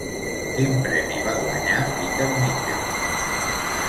Quin premi va guanyar Peter Mitchell?